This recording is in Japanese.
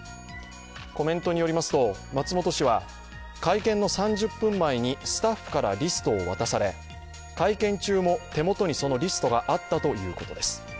コメントによりますと、松本氏は会見の３０分前にスタッフからリストを渡され会見中も手元に、そのリストがあったということです。